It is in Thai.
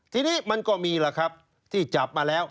ทีนี้มันก็มีล่ะครับที่จับมาแล้ว